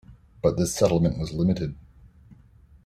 But this settlement was limited.